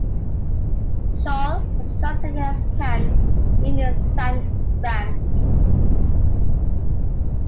'Shoal' was translated as 'Tan' - meaning sandbank.